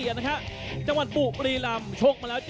สวัสดีครับทายุรัฐมวยไทยไฟตเตอร์